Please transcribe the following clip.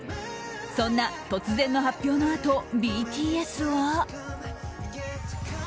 そんな突然の発表のあとＢＴＳは。